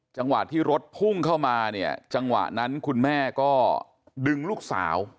จังหวะที่รถพุ่งเข้ามาเนี่ยจังหวะนั้นคุณแม่ก็ดึงลูกสาว